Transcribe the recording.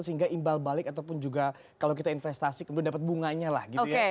sehingga imbal balik ataupun juga kalau kita investasi kemudian dapat bunganya lah gitu ya